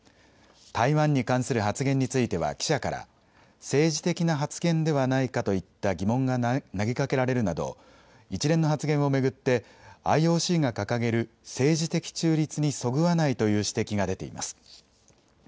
台湾に関する発言については記者から、政治的な発言ではないかといった疑問が投げかけられるなど、一連の発言を巡って、ＩＯＣが掲げる政治的中立にそぐわないという指摘が出ています。